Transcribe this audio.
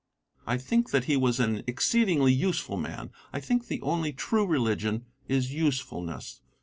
I think that he was an exceedingly useful man. I think the only true religion is usefulness.